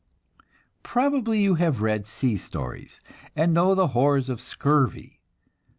Probably you have read sea stories, and know of the horrors of scurvy.